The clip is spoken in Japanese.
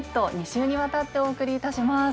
２週にわたってお送りいたします。